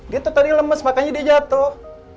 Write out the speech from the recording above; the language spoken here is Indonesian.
dia tuh tadi lemes makanya dia jatuh